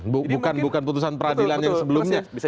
bukan putusan peradilan yang sebelumnya